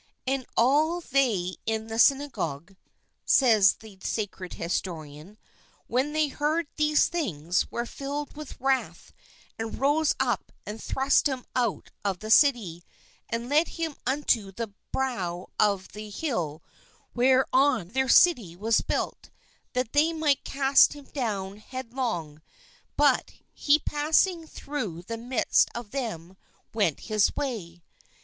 "And all they in the Synagogue" says the sacred historian, " when they heard these things, were filled with wrath, and rose up and thrust him out of the city, and led him unto the brow of the hill whereon their city was built, that they might cast him down headlong, but he passing through the midst of them went his way."